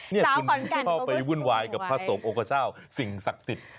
นี่คุณเข้าไปวุ่นวายกับพระสงฆ์องค์พระเจ้าสิ่งศักดิ์สิทธิ์